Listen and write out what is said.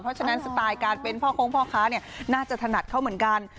เพราะฉะนั้นสไตล์การเป็นพ่อโค้งพ่อค้าน่าจะถนัดเขาเหมือนกัน